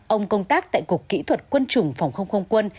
ông công tác tại cục kỹ thuật quân chủng phòng không không quân